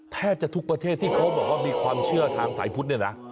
แทบจะทุกประเทศที่เขาบอกว่ามีความเชื่อทางสายพุทธเนี่ยนะ